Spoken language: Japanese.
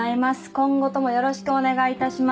今後ともよろしくお願いいたします